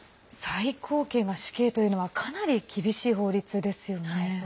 最高刑が死刑というのはかなり厳しい法律ですね。